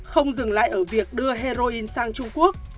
không dừng lại ở việc đưa heroin sang trung quốc